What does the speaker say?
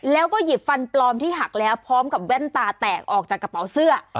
แล้วก็หยิบฟันปลอมที่หักแล้วพร้อมกับแว่นตาแตกออกจากกระเป๋าเสื้อ